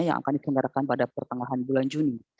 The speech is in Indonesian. yang akan dikendarakan pada pertengahan bulan juni